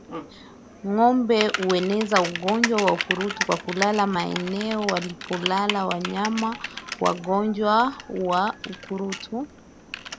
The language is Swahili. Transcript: Ngombe hueneza ugonjwa wa ukurutu kwa kulala maeneo walipolala wanyama wagonjwa wa ukurutu